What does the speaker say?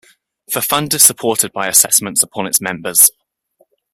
The fund is supported by assessments upon its members.